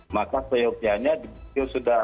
maka peyotianya sudah